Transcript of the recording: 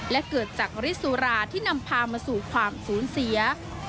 และเกิดจากฤทธิสุราที่นำพามาสู่ความสูญเสีย